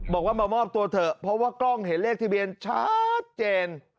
บอกว่ามามอบตัวเถอะเพราะว่ากล้องเห็นเลขทะเบียนชัดเจน